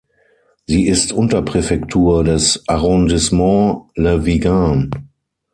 Sie ist Unterpräfektur des Arrondissements Le Vigan.